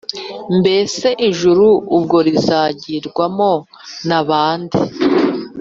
Mbese ijuru ubwaryo rizajyibwamo na bande?